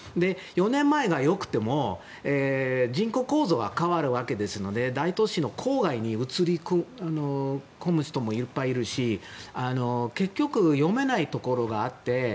４年前が良くても人口構造が変わるわけですので大都市の郊外に移り込む人もいっぱいいるし結局、読めないところがあって。